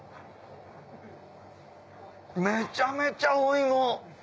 めちゃめちゃお芋！